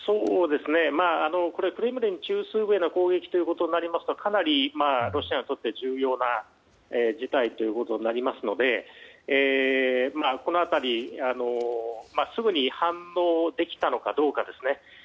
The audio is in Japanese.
クレムリン中枢部への攻撃となりますとかなりロシアにとって重要な事態となりますのでこの辺り、すぐに反応できたのかどうかですね。